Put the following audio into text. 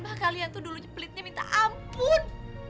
mbah kalian tuh dulu pelitnya minta ampun